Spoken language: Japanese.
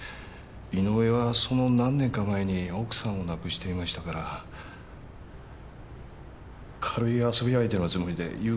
井上はその何年か前に奥さんを亡くしていましたから軽い遊び相手のつもりで祐子を紹介したんです。